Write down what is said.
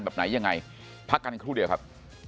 แบบไหนยังไงพักกันครู่เดียวครับ